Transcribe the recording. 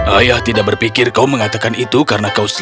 ayah tidak berpikir kau mengatakan itu karena kau setuju